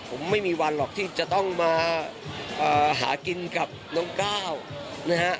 ผมไม่มีวันหรอกที่จะต้องมาหากินกับน้องก้าวนะฮะ